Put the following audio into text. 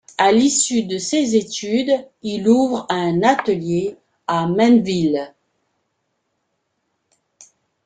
À l'issue de ses études il ouvre un atelier à Menville.